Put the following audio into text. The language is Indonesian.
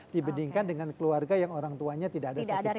dibandingkan dengan keluarga yang orang tuanya tidak ada sakit hati